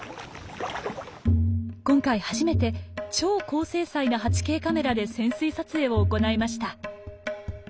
今回初めて超高精細な８Ｋカメラで潜水撮影を行いました。